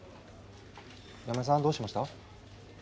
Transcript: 山根さんどうしました？